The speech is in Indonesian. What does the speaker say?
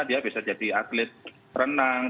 dia bisa jadi atlet renang